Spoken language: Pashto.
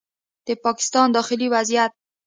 د پاکستان داخلي وضعیت